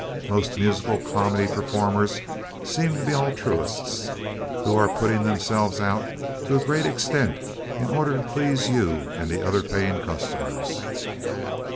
Most musical comedy performers seem to be altruists who are putting themselves out to a great extent in order to please you and the other paying customers.